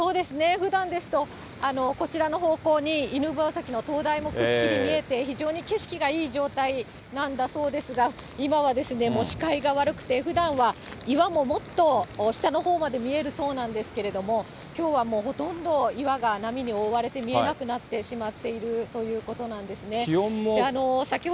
ふだんですとこちらの方向に、犬吠埼の灯台もくっきり見えて、非常に景色がいい状態なんだそうですが、今は視界が悪くて、ふだんは岩ももっと下のほうまで見えるそうなんですけれども、きょうはほとんど岩が波に覆われて見えなくなってしまっているということなんですね。